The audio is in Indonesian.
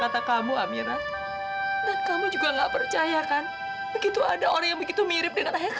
tapi kalau memang itu bukan ayah